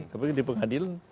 tapi di pengadilan